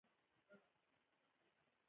له دوی سره د باور فضا رامنځته کوي.